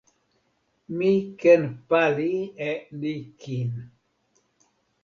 mi ken pali e ni kin.